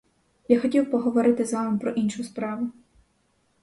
Я хотів поговорити з вами про іншу справу.